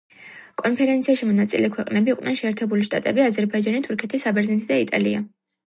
კონფერენციაში მონაწილე ქვეყნები იყვნენ შეერთებული შტატები, აზერბაიჯანი, თურქეთი, საბერძნეთი და იტალია.